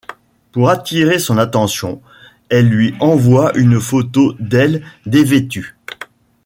Pour attirer son attention, elle lui envoie une photo d'elle dévêtue.